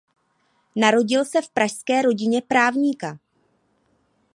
Narodil se v pražské rodině právníka.